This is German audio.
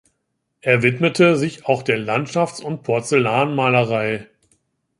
Er widmete sich auch der Landschafts- und der Porzellanmalerei.